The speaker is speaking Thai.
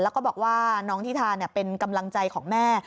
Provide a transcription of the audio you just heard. แล้วก็บอกว่าน้องทิธาเป็นกำลังใจของแม่